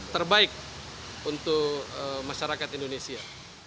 terbaik untuk masyarakat indonesia